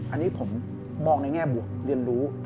อันนี้ผมมองในแง่บวกเรียนรู้